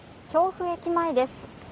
調布駅前です。